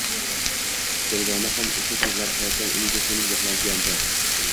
Durdona ham o`sha kezlari hayotdan umidi so`nib yig`lagandi